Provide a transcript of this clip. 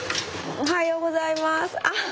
おはようございます。